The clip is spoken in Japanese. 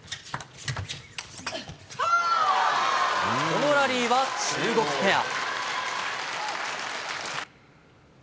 このラリーは中国ペア。